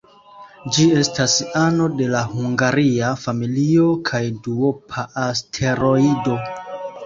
Ĝi estas ano de la Hungaria familio kaj duopa asteroido.